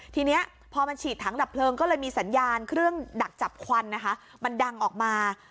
ทีนี้พอมันฉีดถังดับเพลิงก็เลยมีสัญญาณเครื่องดักจับควันนะคะมันดังออกมา